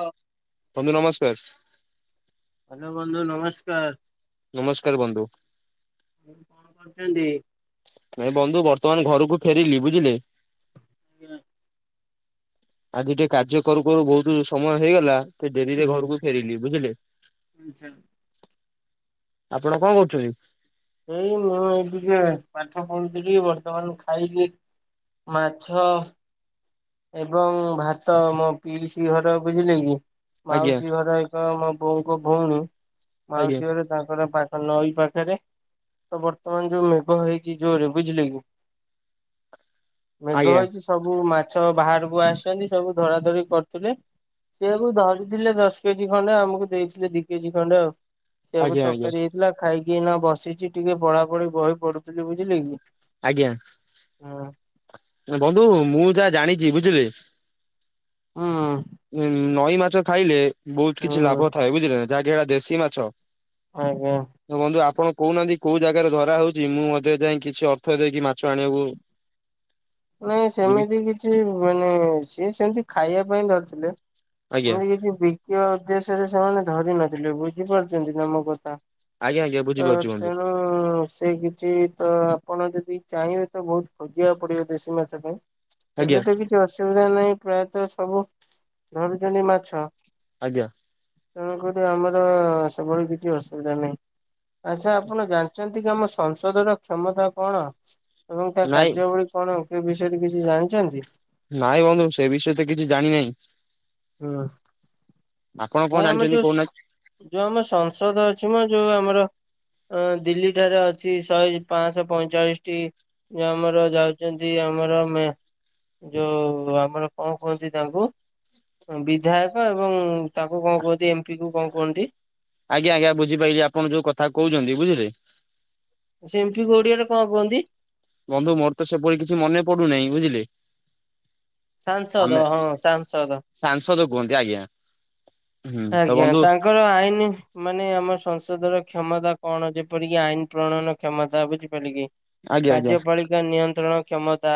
ହଁ। ବନ୍ଧୁ ନମସ୍କାର। ହ୍ୟାଲୋ ବନ୍ଧୁ ନମସ୍କାର। ନମସ୍କାର ବନ୍ଧୁ। କଣ କରୁଛନ୍ତି? ନାଇଁ ବନ୍ଧୁ ବର୍ତ୍ତମାନ ଘରକୁ ଫେରିଲି ବୁଝିଲେ? ଆଜ୍ଞା। ଆଜି ଟିକେ କାର୍ଯ୍ୟ କରୁ କରୁ ବହୁତ ସମୟ ହେଇଗଲା। ସେ ଡେରିରେ ଘରକୁ ଫେରିଲି ବୁଝିଲେ? ଆଚ୍ଛା। ଆପଣ କଣ କରୁଛନ୍ତି? ଏଇ ମୁଁ ଏଇ ଟିକେ ପାଠ ପଢୁଥିଲି ବର୍ତ୍ତମାନ ଖାଇଲି। ମାଛ ଏବଂ ଭାତ ମୋ ପିଇସ ଘର ବୁଝିଲେ କି ଆଜ୍ଞା ମାଉସୀ ଘର ମୋ ବୋଉଙ୍କ ଭଉଣୀ ଆଜ୍ଞା ମାଉସୀଘରେ ତାଙ୍କର ପା ନଈ ପାଖରେ ତ ବର୍ତ୍ତମାନ ଯୋଉ ମେଘ ହେଇଛି ଜୋରେ ବୁଝିଲେ କି? ମେଘ ଆଜ୍ଞା ହେଇଚି ସବୁ ମା ଛ ବାହାରୁକୁ ଆସୁଛନ୍ତି ସବୁ ଧରା ଧରି କରୁଥିଲେ। ସେଇଆକୁ ଧରିଥିଲେ ଦଶ କେଜି ଖଣ୍ଡେ ଆମୁକୁ ଦେଇଥିଲେ ଦି କେଜି ଖଣ୍ଡେ ଆଉ। ସେଇଆକୁ ଆଜ୍ଞା ଆଜ୍ଞା ତରକାରୀ ହେଇଥିଲା ଖାଇକି ଏଇନା ବସିଛି ଟିକେ ପଢା ପଢି ବହି ପଢୁଥିଲି ବୁଝିଲେ କି। ଆଜ୍ଞା। ଉଁ ଉଁ ବନ୍ଧୁ ମୁଁ ଯାହା ଜାଣିଛି ବୁଝିଲେ ଉଁ ଉଁ ନଈ ମାଛ ଖାଇଲେ ବୋହୁତ କିଛି ହୁଁ ଲାଭ ଥାଏ ବୁଝିଲେ ନା ଯାହାକି ହେଟା ଦେଶୀ ମାଛ ଆଉ କୁହ। ଯୋଉ ବନ୍ଧୁ ଆପଣ କୋହୁନାହାନ୍ତି କୋଉ ଜାଗାରେ ଧରା ହଉଚି ମୁଁ ମଧ୍ୟ ଯାଇଁ କିଛି ଅର୍ଥ ଦେଇକି ମାଛ ଆଣିଆକୁ ନାଇଁ ସେମିତି କିଛି ମାନେ ସିଏ ସେମତି ଖାଇଆ ପାଇଁ ଧରିଥିଲେ। ଆଜ୍ଞା ଏମିତି କିଛି ବିକିବା ଉଦ୍ଦେଶ୍ୟରେ ସେମାନେ ଧରି ନଥିଲେ ବୁଝିପାରୁଛନ୍ତି ନା ମୋ କଥା। ଆଜ୍ଞା ଆଜ୍ଞା ତ ବୁଝିପାରୁଛି ବନ୍ଧୁ ତେଣୁ ଉଁ ସେ କିଛି ତ ଆପଣ ଯଦି ଚାହିଁବେ ତ ବୋହୁତ ଖୋଜିଆକୁ ପଡିବ ଦେଶୀ ମାଛ ପାଇଁ। ଆଜ୍ଞା ଏବେ ତ କିଛି ଅସୁବିଧା ନାହିଁ ପ୍ରାୟତଃ ସବୁ ଧରୁଛନ୍ତି ମାଛ। ଆଜ୍ଞା। ତେଣୁକରି ଆମର ସେଭଳି କିଛି ଅସୁବିଧା ନାହିଁ। ଆଚ୍ଛା ଆପଣ ଜାଣିଛନ୍ତି କି ଆମ ସଂସଦର କ୍ଷମତା କଣ? ଏବଂ ତା ନାଇଁ କାର୍ଯ୍ୟାବଳୀ କଣ କି ବିଷୟରେ କିଛି ଜାଣିଛନ୍ତି? ନାଇଁ ବନ୍ଧୁ ସେ ବିଷୟରେ ତ କିଛି ଜାଣିି ନାଇଁ। ହୁଁ ନାଇଁ ଆମ ଯୋଉ ସ୍ ଯୋଉ ଆମ ସଂସଦ ଅଛି ମ ଯୋଉ ଆମର ଅଁ ଦିଲ୍ଲୀ ଠାରେ ଅଛି ଶହେ ପାଂଶ ପଇଁଚାଳିଶଟି ଯୋଉ ଆମର ଯାଉଚନ୍ତି ଆମର ମେ ଯୋଉ ଆମର କଁ କୁହନ୍ତି ତାଙ୍କୁ ଉଁ ବିଧାୟକ ଏବଂ ତାଙ୍କୁ କଁ କୁହନ୍ତି ଏମ୍ ପି କୁ କଁ କୁହନ୍ତି? ଆଜ୍ଞା ଆଜ୍ଞା ବୁଝିପାଇଲି ଆପଣ ଯୋଉ କଥା କହୁଛନ୍ତି ବୁଝିଲେ। ଉଁ ସେ ଏମ୍ ପି କୁ ଓଡିଆରେ କଁ କୁହନ୍ତି? ବନ୍ଧୁ ମୋର ତ ସେଭଳି କିଛି ମନେ ପଡୁନାହିଁ ବୁଝିଲେ। ସାଂସଦ ଆମେ ହଁ ସାଂସଦ। ସାଂସଦ କୁହନ୍ତି ଆଜ୍ଞା। ହୁଁ ତ ଆଜ୍ଞା ବନ୍ଧୁ ତାଙ୍କ୍ କର ଆଇନି ମାନେ ଆମ ସଂସଦର କ୍ଷମତା କଣ ଯେପରିକି ଆଇନ ପ୍ରଣୟନ କ୍ଷମତା ବୁଝିପାଇଲେ କି ଆଜ୍ଞା ଆଜ୍ଞା କାର୍ଯ୍ୟପାଳି କା ନିୟନ୍ତ୍ରଣ କ୍ଷମତା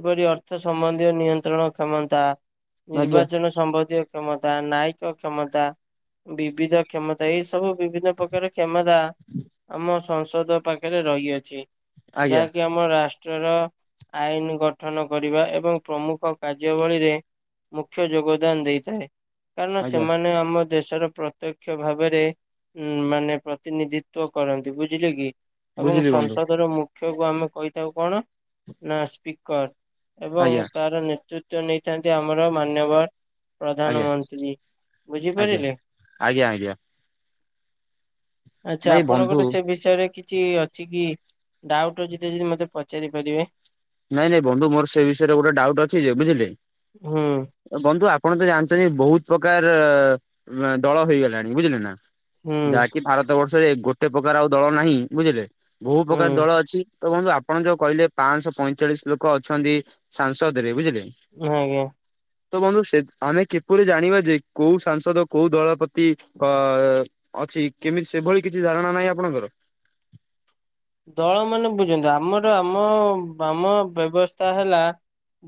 ଏପରି ଅର୍ଥ ସମ୍ବନ୍ଧୀୟ ନିୟନ୍ତ୍ରଣ କ୍ଷମତା ଆଜ୍ଞା ନିର୍ବାଚନ ସମ୍ବନ୍ଧୀୟ କ୍ଷମତା ନାୟି କ କ୍ଷମତା ବିବିଧ କ୍ଷମତା ଏଇ ସବୁ ବିଭିନ୍ନ ପ୍ରକାର କ୍ଷମତା ଆମ ସଂସଦ ପାଖେରେ ରହିଅଛି। ଆଜ୍ଞା ଯାହାକି ଆମ ରାଷ୍ ଟ୍ରର ଆଇନି ଗଠନ କରିବା ଏବଂ ପ୍ରମୁଖ କାର୍ଯ୍ୟବଳୀରେ ମୁଖ୍ୟ ଯୋଗଦାନ ଦେଇଥାଏ କାରଣ ଆଜ୍ଞା ସେମାନେ ଆମ ଦେଶର ପ୍ରତ୍ୟକ୍ଷ ଭାବେରେ ଉଁ ମାନେ ପ୍ରତିନିଧିତ୍ୱ କରନ୍ତି ବୁଝିଲେ କି। ଏବଂ ବୁଝିଲି ବନ୍ଧୁ ସଂସଦର ମୁଖ୍ୟକୁ ଆମେ କହିଥାଉ କଣ ନା ସ୍ପିକର। ଏବଂ ଆଜ୍ଞା ତାର ନେତୃତ୍ୱ ନେଇଥାନ୍ତି ଆମର ମାନ୍ୟବର ଆଜ୍ଞା ପ୍ରଧାନମନ୍ ବୁଝିଲି, ଆଜ୍ଞା ବୁଝିପାରିଲେ? ଆଜ୍ଞା ଆଜ୍ଞା ଆଛା ନାଇଁ ବନ୍ଧୁ ଆପଣଙ୍କର ସେ ବିଷୟରେ କି କିଛି ଅଛି କି? ଡାଉଟ୍ ଅଛି ଦ ଯଦି ମତେ ପଚାରି ପାରିବେ? ନାଇଁ ନାଇଁ ବନ୍ଧୁ ମୋର ସେ ବିଷୟରେ ଗୋଟେ ଡାଉଟ୍ ଅଛି ଯେ ବୁଝିଲେ? ହୁଁ ବନ୍ଧୁ ଆପଣ ତ ଜାଣିଛନ୍ତି ବହୁତ ପ୍ରକାର- ଦଳ ହେଇଗଲାଣି ବୁଝିଲେ ନା? ହୁଁ। ଯାହାକି ଭାରତ ବର୍ଷରେ ଗୋଟେ ପ୍ରକାର ଆଉ ଦଳ ନାହିଁ ବୁଝିଲେ ବହୁ ପ୍ରକାର ହୁଁ ଦଳ ଅଛି ତ ବନ୍ଧୁ ଆପଣ ଯୋଉ କହିଲେ ପାଞ୍ଚଶହ ପଇଁଚାଳିଶ ଲୋକ ଅଛନ୍ତି ସାଂସଦ ରେ ବୁଝିଲେ। ହଁ ଆଜ୍ଞା। ତ ବନ୍ଧୁ ସେ- ଆମେ କିପରି ଜାଣିବା ଯେ କୋଉ ସାଂସଦ କୋଉ ଦଳ ପ୍ରତି ଅ ଅଛି କେମିତି ସେଭଳି କିଛି ଧାରଣା ନାହିଁ ଆପଣଙ୍କର? ଦଳ ମାନେ ବୁଝନ୍ତୁ ଆମର ଆମ ବାମ ବ୍ୟବସ୍ଥା ହେଲା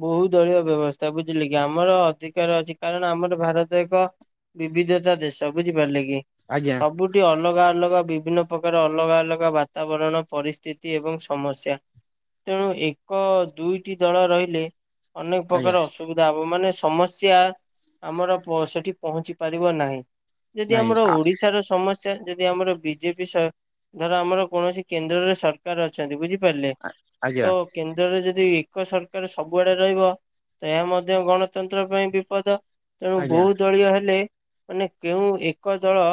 ବହୁ ଦଳୀୟ ବ୍ୟବସ୍ଥା ବୁଝିଲେ କି ଆମର ଅଧିକାର ଅଛି କାରଣ ଆମର ଭାରତ ଏକ ବିବିଧତା ଦେଶ ବୁଝିପାରିଲେ କି? ଆଜ୍ଞା ସବୁଠି ଅଲଗା ଅଲଗା ବିଭିନ୍ନ ପ୍ରକାର ଅଲଗା ଅଲଗା ବାତାବରଣ ପରିସ୍ଥିତି ଏବଂ ସମସ୍ୟା ତେଣୁ ଏକ ଦୁଇଟି ଦଳ ରହିଲେ ଅନେକ ଆଜ୍ଞା ପ୍ରକାର ଅସୁବ ବିଧା ମାନେ ସମସ୍ୟା ଆମର ସେଠି ପହଞ୍ଚି ପାରିବ ନାହିଁ। ଯଦି ନାଇଁ ଆମର ଓଡିଶାର ସମସ୍ୟା ଯଦି ଆମର ବିଜେପି ସର-ଧର ଆମର କୌଣସି କେନ୍ଦ୍ରରେ ସରକାର ଅଛନ୍ତି ବୁଝିପାରିଲେ ଆଜ୍ଞା ତ କେନ୍ଦ୍ରରେ ଯଦି ଏକ ସରକାର ସବୁଆଡେ ରହିବ ତ ଏହା ମଧ୍ୟ ଗଣତନ୍ତ୍ର ପାଇଁ ବିପଦ ତେଣୁ ଆଜ୍ଞା ବହୁ ଦଳୀୟ ହେଲେ ମାନେ କେଉଁ ଏକ ଦଳ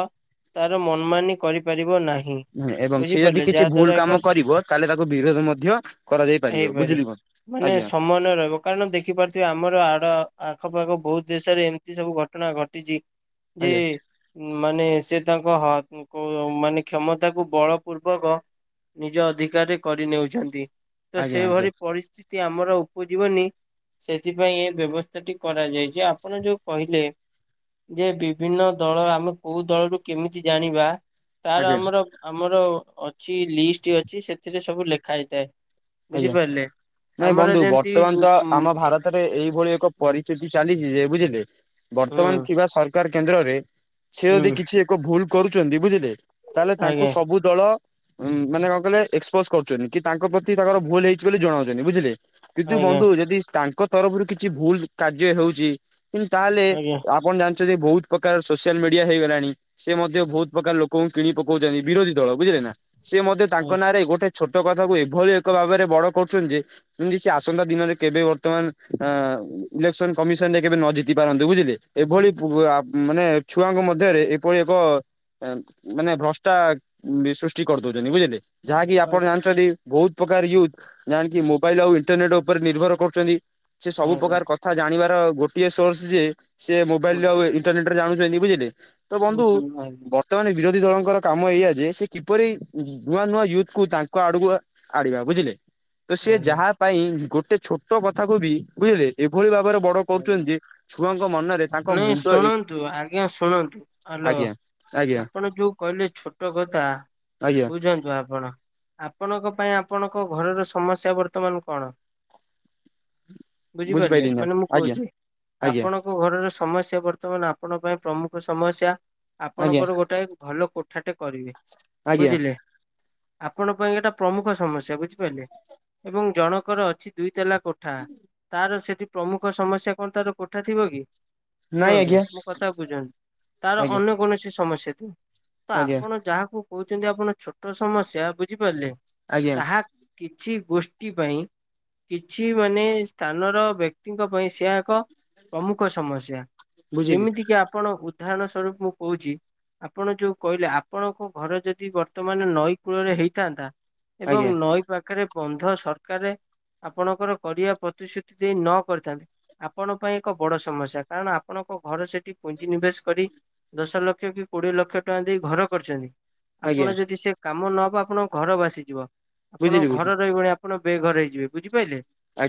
ତାର ମନମାନି କରିପାରିବ ନାହିଁ। ହୁଁ ଏବଂ ସେ ଯଦି ବୁଝିପାରିଲେ କିଛି ଯାହା ଭୁଲ୍ ଦ୍ଵାରା କାମ ଏକ କରିବ ତାହେଲେ ତାକୁ ବିରୋଧ ମଧ୍ୟ କରାଯାଇ ପାରିବ ବୁଝିଲ ମୁଁ ଆଜ୍ଞା। ମନେ ରହିବ କାରଣ ଦେଖିପାରୁଥିବେ ଆମର ଆଡ- ଆଖପାଖ ବହୁତ ଦେଶରେ ଏମିତି ସବୁ ଘଟଣା ଘଟିଚି ଯେ ଆଜ୍ଞା ମାନେ ସେ ତାଙ୍କ ହ-ମାନେ କ୍ଷମତାକୁ ବଳ ପୂର୍ବକ ନିଜ ଅଧିକାରରେ କରିନେଉଛନ୍ତି ତ ଆଜ୍ଞା ଆଜ୍ଞା ସେଭଳି ପରିସ୍ଥିତି ଆମର ଉପଜୀବନୀ ସେଥିପାଇଁ ଏ ବ୍ୟବସ୍ଥା ଟି କରାଯାଇଚି ଆପଣ ଯୋଉ କହିଲେ ଯେ ବିଭିନ୍ନ ଦଳ ଆମ କୋଉ ଦଳରୁ କେମିତି ଜାଣିବା ତାର ଆଜ୍ଞା ଆମର ଆମର ଅଛି ଲିଷ୍ଟ ଅଛି ସେଥିରେ ସବୁ ଲେଖା ହେଇଥାଏ। ଆଜ୍ଞା ବୁଝିପାରିଲେ। ନାଇଁ ଆମର ବନ୍ଧୁ ଯେମିତି ବର୍ତ୍ତମାନ ଉଁ ତ ଆମ ଭାରତରେ ଏଇଭଳି ଏକ ହୁଁ ପରିଚିତ୍ ଯଉ ଚାଲିଚି ଯେ ବୁଝିଲେ ବର୍ତ୍ତମାନ ଥିବା ସରକାର କେନ୍ଦ୍ରରେ ସେ ଯଦି ହୁଁ କିଛି କ ଭୁଲ କରୁଛନ୍ତି ବୁଝିଲେ ତାହେଲେ ତାଙ୍କୁ ଆଜ୍ଞା ସବୁ ଦଳ ମାନେ କଣ କହିଲେ ଏକ୍ସପୋଜ କରୁଚନ୍ତି କି ତାଙ୍କ ପ୍ରତି ତି ତାଙ୍କର ଭୁଲ ହେଇଛି ବୋଲି ଜଣାଉଛନ୍ତି ବୁଝିଲେ କିନ୍ତୁ ଆଜ୍ଞା ବନ୍ଧୁ ଯଦି ତାଙ୍କ ତରଫରୁ କିଛି ଭୁଲ କାର୍ଯ୍ୟ ହେଉଛି କିନ୍ତୁ ତାହେଲେ ଆଜ୍ଞା ଫୁନ୍ ଜାଣିଚନ୍ତି ବହୁତ୍ ପ୍ରକାର ସୋସିଆଲ ମିଡିଆ ହେଇଗଲାଣି ସେ ମଧ୍ୟ ବହୁତ ପ୍ରକାର ଲୋକଙ୍କୁ କିଣି ପକଉଚନ୍ତି ବିରୋଧୀ ଦଳ ବୁଝିଲେ ନା? ସେ ମଧ୍ୟ ତାଙ୍କ ନାଁରେ ଗୋଟେ ଛୋଟ କଥା କୁ ଏଭଳି ଏକ ଭାବରେ ବଡ କରୁଛନ୍ତି ଯେ ଯେମତି ସେ ଆସନ୍ତା ଦିନରେ କେବେ ବର୍ତ୍ତମାନ ଅ -ଇଲେକ୍ସନ କମିଶନ ରେ କେବେ ନ ଜିତି ପାରନ୍ତ ବୁଝିଲେ? ଏଭଳି ତ- ଆ ମାନେ ଛୁଆଙ୍କ ମଧ୍ୟରେ ଏଭଳି ଏକ ମାନେ ଭ୍ରଷ୍ଟା ବିସୃଷ୍ଟି କରିଦଉଚନ୍ତି ବୁଝିଲେ ଯାହାକି ଆପଣ ଜାଣିଚନ୍ତି ବହୁତ୍ ପ୍ରକାର ୟୁଥ୍ ଯାହା କି ମୋବାଇଲ ଆଉ ଇଣ୍ଟରନେଟ ଉପରେ ନିର୍ଭର କରୁଚନ୍ତି ସେ ସବୁ ଆଜ୍ଞା ପ୍ରକାର କ କଥା ଜାଣିବାର ଗୋଟିଏ ସୋର୍ସ ଯେ ସେ ମୋବାଇଲରେ ଆଉ ଇଣ୍ଟରନେଟ ରେ ଜାଣୁଚନ୍ତି ବୁଝିଲେ? ତ ବନ୍ଧୁ ବର୍ ବର୍ତ୍ତମାନ ବିରୋଧୀ ଦଳଙ୍କର କାମ ଏଇଆ ଯେ ସେ କିପରି ନୂଆ ନୂଆ ୟୁଥ୍ କୁ ତାଙ୍କ ଆଡକୁ ଆଣିବା ବୁଝିଲେ ତ ସେ ଆଜ୍ଞା ଯାହା ପାଇଁ ଗୋଟେ ଛୋଟ କଥାକୁ ବି ବୁଝିଲେ ଏଭଳି ଭାବରେ ବଡ଼ କରୁଛନ୍ତି ଯେ ଛୁଆଙ୍କ ମନରେ ତାଙ୍କ ନାଇଁ ମୁଣ୍ଡ ଏ ଶୁଣନ୍ତୁ ଆଜ୍ଞା ଶୁଣନ୍ତୁ ହ୍ୟାଲୋ ଆଜ୍ଞା ଆଜ୍ଞା ଆପଣ ଯୋଉ କହିଲେ ଛୋଟ କଥା ଆଜ୍ଞା ବୁଝନ୍ତୁ ଆପଣ ଆପଣଙ୍କ ପାଇଁ ଆପଣଙ୍କ ଘରର ସମସ୍ୟା ବର୍ତ୍ତମାନ କଣ? ବୁଝିପାରିଲେ ବୁଝିପାଇଲି ନା ମାନେ ମୁଁ ଆଜ୍ଞା କହୁଛି ଆଜ୍ଞା ଆପଣ ଙ୍କ ଘରର ସମସ୍ୟା ବର୍ତ୍ତମାନ ଆପଣଙ୍କ ପାଇଁ ପ୍ରମୁଖ ସମସ୍ୟା ଆଜ୍ଞା ଆପଣଙ୍କର ଗୋଟେ ଭଲ କୋ ଠାଟେ କରିବେ ଆଜ୍ଞା ବୁଝିଲେ ଆପଣଙ୍କ ପାଇଁ ଏଟା ପ୍ରମୁଖ ସମସ୍ୟା ବୁଝିପାରିଲେ। ଏବଂ ଜଣକର ଅଛି ଦୁଇ ତାଲା କୋଠା ତାର ସେଠି ପ୍ରମୁଖ ସମସ୍ୟା କଣ ତାର କୋଠା ଥିବ କି ନାଇଁ ଶୁଣନ୍ତୁ ଆଜ୍ଞା ମୋ କଥାକୁ ବୁଝନ୍ତୁ ତାର ଆଜ୍ଞା ଅନ୍ୟ କୌଣସି ସମସ୍ୟା ଥିବ ତ ଆଜ୍ଞା ଆପଣ ଯାହାକୁ କହୁଛନ୍ତି ଆପଣ ଛୋଟ ସମସ୍ୟା ବୁଝିପାରିଲେ ଆଜ୍ଞା ତାହା କିଛି ଗୋଷ୍ଠୀ ପାଇଁ କିଛି ମାନେ ସ୍ଥାନର ବ୍ୟକ୍ତି ବ୍ୟକ୍ତିଙ୍କ ପାଇଁ ସେଆ ଏକ ପ୍ରମୁଖ ସମସ୍ୟା ବୁଝିଲି ଯେମିତି କିି ଆପଣ ବୁଜ୍ ଉଦାହରଣ ସ୍ୱରୂପ ମୁଁ କହୁଛି ଆପଣ ଯୋଉ କହିଲେ ଆପଣଙ୍କ ଘର ଯଦି ବର୍ତ୍ତମାନ ନଈ କୂଳରେ ହେଇଥାନ୍ତା ଏବଂ ଆଜ୍ଞା ନଈ ପାଖରେ ବନ୍ଧ ସରକାର ଆପଣଙ୍କର କରିବା ପ୍ରତିଶ୍ରୁତି ଦେଇ ନ କରିଥାନ୍ତି ଆପଣଙ୍କ ପାଇଁ ଏକ ବଡ଼ ସମସ୍ୟା କାରଣ ଆପଣଙ୍କ ଘର ସେଠି ପୁଞ୍ଜି ନିବେଶ କରି ଦଶ ଲକ୍ଷ କି କୋଡିଏ ଲକ୍ଷ ଟଙ୍କା ଦେଇ ଘର କରିଛନ୍ତି ଆପଣ ଆଜ୍ଞା ଯଦି ସେ କାମ ନହବ ଆପଣଙ୍କ ଘର ଭାସିଯିବ ଆପଣଙ୍କ ବୁଝିଲି ଘର ବୁଝିଲି ରହିବନି ଆପଣ ବେଘର ହେଇଯିବେ ବୁଝିପାରିଲେ?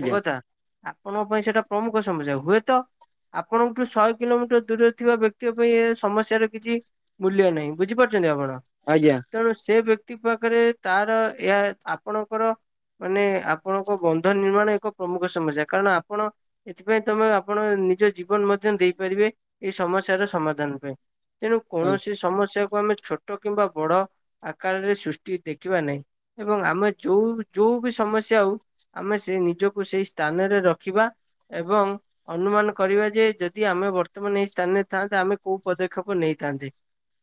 ମୋ କଥା ଆପଣଙ୍କ ପାଇଁ ସେଟା ପ୍ରମୁଖ ସମସ୍ୟା ହୁଏତ ଆପଣଙ୍କଠୁ ଶହେ କିଲୋମିଟର ଦୂରରେ ଥିବା ବ୍ୟକ୍ତିଙ୍କ ପାଇଁ ଏ ସମସ୍ୟାର କିଛି ମୂଲ୍ୟ ନାହିଁ ବୁଝିପାରୁଛନ୍ତି ଆପଣ? ଆଜ୍ଞା। ତେଣୁ ସେ ବ୍ୟକ୍ତି ପାଖରେ ତାର ଏହା ଆପଣଙ୍କର ମାନେ ଆପଣଙ୍କ ବନ୍ଧ ନିର୍ମାଣ ଏକ ପ୍ରମୁଖ ସମସ୍ୟା କାରଣ ଆପଣ ଏଥିପାଇଁ ତମେ ଆପଣ ନିଜ ଜୀବନ ମଧ୍ୟ ଦେଇପାରିବେ ଏଇ ସମସ୍ୟାର ସମାଧାନ ପାଇଁ। ତେଣୁ କୌଣସି ସମସ୍ୟାକୁ ଆମେ ଛୋଟ କିମ୍ବା ବଡ଼ ଆକାରରେ ସୃଷ୍ଟି ଦେଖିବା ନାହିଁ। ଏବଂ ଆମେ ଯୋଉ ଯୋଉ ବି ସମସ୍ୟା ହଉ ଆମେ ସେ ନିଜକୁ ସେଇ ସ୍ଥାନରେ ରଖିବା ଏବଂ ଅନୁମାନ କରିବା ଯେ ଯଦି ଆମେ ବର୍ତ୍ତମାନ ଏଇ ସ୍ଥାନରେ ଥାନ୍ତେ ଆମେ କୋଉ ପଦକ୍ଷେପ ନେଇଥାନ୍ତେ।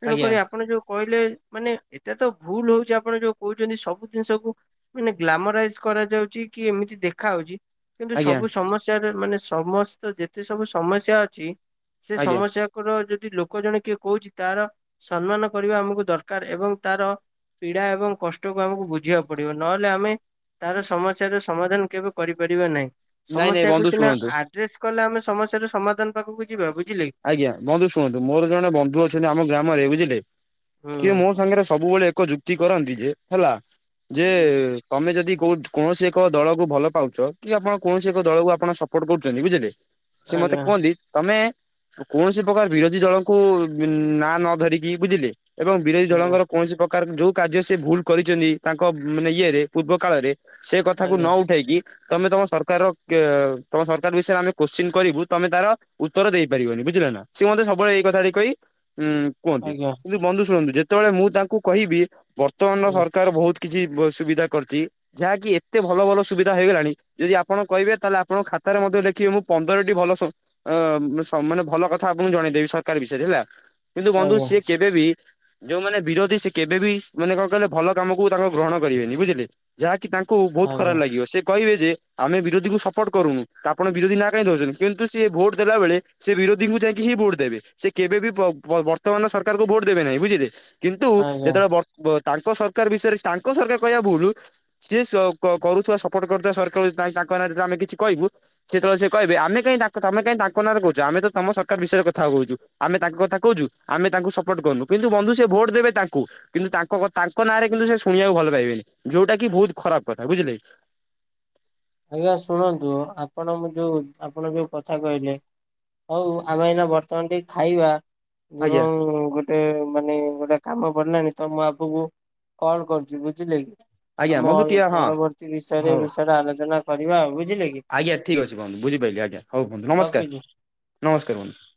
ତେଣୁ ଆଜ୍ଞା କରି ଆପଣ ଯୋଉ କହିଲେ ମାନେ ଏତେ ତ ଭୁଲ ହଉଛି ଆପଣ ଯୋଉ କହୁଛନ୍ତି ସବୁ ଜିନିଷକୁ ମାନେ ଗ୍ଲାମରାଇଜ୍ କରାଯାଉଛି କି ଏମିତି ଦେଖା ହଉଛି କିନ୍ତୁ ଆଜ୍ଞା ସବୁ ସମସ୍ୟାରେ ମାନେ ସମସ୍ତ ଯେତେ ସବୁ ସମସ୍ୟା ଅଛି ସେ ଆଜ୍ଞା ସମସ୍ୟା ର ଯଦି ଲୋକ ଜଣେ କିଏ କହୁଛି ତାର ସମ୍ମାନ କରିବା ଆମକୁ ଦରକାର ଏବଂ ତାର ପୀଡା ଏବଂ କଷ୍ଟକୁ ଆମକୁ ବୁଝିବାକୁ ପଡିବ ନହେଲେ ଆମେ ତାର ସମସ୍ୟାର ସମାଧାନ କେବେ କରିପାରିବା ନାହିଁ ନାଇଁ ନାଇଁ ବନ୍ଧୁ ସମସ୍ୟାକୁ ସିନା ଶୁଣନ୍ତୁ ଆ ଡ୍ରେସ୍ କଲେ ଆମେ ସମସ୍ୟାର ସମାଧାନ ପାଖକୁ ଯିବା ବୁଝିଲେ କି? ଆଜ୍ଞା ବନ୍ଧୁ ଶୁଣନ୍ତୁ ମୋର ଜଣେ ବନ୍ଧୁ ଅଛନ୍ତି ଆମ ଗ୍ରାମରେ ବୁଝିଲେ? ଯିଏ ହୁଁ ମୋ ସାଙ୍ଗରେ ସବୁବେଳେ ଏକ ଯୁକ୍ତି କରନ୍ତି ଯେ ହେଲା ଯେ ତମେ ଯଦି କୌ କୌଣସି ଏକ ଦଳକୁ ଭଲ ପାଉଛ କି ଆପଣ କୌଣସି ଏକ ଦଳକୁ ଆପଣ ସପୋର୍ଟ କରୁଛନ୍ତି ବୁଝିଲେ? ସିଏ ମତେ ଆଜ୍ଞା କୁହନ୍ତି ତମେ କୌଣସି ପ୍ରକାର ବିରୋଧୀ ଦଳଙ୍କୁ ବିନ୍ ନାଁ ନ ଧରିକି ବୁଝିଲେ? ଏବଂ ବିରୋଧୀ ଆଜ୍ଞା ଦଳଙ୍କର କୌଣସି ପ୍ରକାର ଯୋଉ କାର୍ଯ୍ୟ ସେ ଭୁଲ୍ କରିଛନ୍ତି ତାଙ୍କ ମାନେ ଇଏରେ ପୂର୍ବ କାଳରେ ସେ କଥାକୁ ଆଜ୍ଞା ନ ଉଠେଇକି ତମେ ତମ ସରକାରର ତମ ସରକାର ବିଷୟରେ ଆମେ କୋଶ୍ଚିନ୍ କରିବୁ ତମେ ତାର ଉତ୍ତର ଦେଇପାରିବନି ବୁଝିଲ ନା ସେ ମୋତେ ସବୁଳେ ଏଇ କଥାଟି କହି ଉଁ କୁହନ୍ତି ଆଜ୍ଞା କିନ୍ତୁ ବନ୍ଧୁ ଶୁଣନ୍ତୁ ଯେ ସେତେବେଳେ ମୁଁ ତାଙ୍କୁ କହିବି ବର୍ତ୍ତମାନର ହୁଁ ସରକାର ବହୁତ କିଛି ସୁବିଧା କରିଛି। ଯାହାକି ଏତେ ଭଲ ଭଲ ସୁବିଧା ହେଇଗଲାଣି ଯଦି ଆପଣ କହିବେ ତା ହେଲେ ଆପଣଙ୍କ ଖାତାରେ ମଧ୍ୟ ଲେଖିବେ ମୁଁ ପନ୍ଦରଟି ଭଲ ସବୁ ଅ ସେମାନେ ଭଲ କଥା ଆପଣଙ୍କୁ ଜଣେଇଦେବି ସରକାର ବିଷୟରେ ହେଲା କିନ୍ତୁ ବନ୍ଧୁ ଆଜ୍ଞା ସିଏ କେବେ ବିି ଯୋଉମାନେ ବିରୋଧୀ ସେ କେବେ ବି ମାନେ କଣ କହିଲେ ଭଲ କାମ କକୁ ତାଙ୍କ ଗ୍ରହଣ କରିବେନି ବୁଝିଲେ ଯାହାକି ତାଙ୍କୁ ବହୁତ ଖରାପ ଆଜ୍ଞା ଲାଗିବ ସେ କହିବେ ଯେ ଆମେ ବିରୋଧୀଙ୍କୁ ସପୋଟ କରୁନୁ ତ ଆପଣ ବିରୋଧ ନା କାହିଁ ଦଉଛନ୍ତି କିନ୍ତୁ ସିଏ ଭୋଟ ଦେଲା ବେଳେ ସେ ବିରୋଧୀଙ୍କୁ ଯାଇକି ହିଁ ଭୋଟ ଦେବେ ସେ କେବେ ବି ବର୍ତ୍ତମାନର ସରକାରକୁ ଭୋଟ ଦେବେ ନାହିଁ ବୁଝିଲେ କିନ୍ତୁ ଆଜ୍ଞା ଯେତେବେଳେ ତାଙ୍କ ସରକାର ବିଷୟରେ ତାଙ୍କ ସରକାର କହିବା ଭୁଲ। ସିଏ କରୁଥିବା ସପୋର୍ଟ କରୁଥିବା ସରକାର ତାଙ୍କ ନାଁରେ ଆମେ କିଛି କହିବୁ ସେତେବେଳେ କହିବେ ଆମେ କଁ ତା ତମେ କଁ ତାଙ୍କ ନା କହୁଛୁ ଆମେ ତମ ସରକାର ବିଷୟରେ କଥା କହୁଛୁ ଆମେ ତାଙ୍କ କଥା କହୁଛୁ ଆମେ ତାଙ୍କୁ ସପୋର୍ଟ କରୁନୁ। କିନ୍ତୁ ବନ୍ଧୁ ସେ ଭୋଟ ଦେବେ ତାଙ୍କୁ କିନ୍ତୁ ତାଙ୍କ ତାଙ୍କ ନାଁରେ କିନ୍ତୁ ସେ ଶୁଣିବାକୁ ଭଲ ପାଇବେନି ଯୋଉଟା କି ବହୁତ ଖରାପ କଥା ବୁଝିଲେ। ଆଜ୍ଞା ଶୁଣନ୍ତୁ ଆପଣ ଯୋଉ ଆପଣ ଯୋଉ କଥା କହିଲେ। ହଉ ଆମେ ଏଇନା ବର୍ତ୍ତମାନ ଟିକେ ଖାଇବା ଆଜ୍ଞା। ଯେଉଁ ଗୋଟେ ମାନେ ଗୋଟେ କାମ ପଡିଲାଣି ତ ମୁଁ ଆଗକୁ କଲ କରିଛି ବୁଝିଲେ କି। ଆଜ୍ଞା ଆମ ବନ୍ଧୁ ଟିକେ ହଁ ପରବର୍ତ୍ତୀ ବିଷୟରେ ହଉ ବିଷୟରେ ଆଲୋଚନା କରିବା ଆଉ ବୁଝିଲେ କି। ଆଜ୍ଞା ଠିକ୍ ଅଛି ବନ୍ଧୁ ବୁଝିପାଇଲି ଆଜ୍ଞା ହଉ ବନ୍ଧୁ ରଖୁଛି। ନମସ୍କାର ନମସ୍କାର ବନ୍ଧୁ।